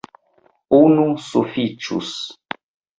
Unu sufiĉus.